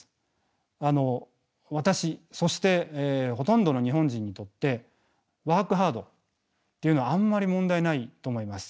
私そしてほとんどの日本人にとってワークハードっていうのはあんまり問題ないと思います。